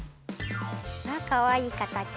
かわいいかたち。